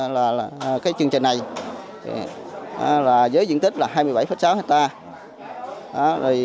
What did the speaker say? và cái chương trình này dưới diện tích là hai mươi bảy sáu ha